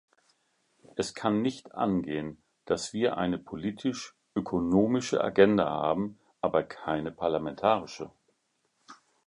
Es kann nicht angehen, dass wir eine politisch-ökonomische Agenda haben, aber keine parlamentarische.